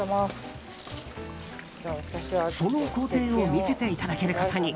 その工程を見せていただけることに。